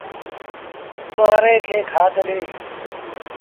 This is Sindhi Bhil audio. ٻآري کي کآڌ ڏي۔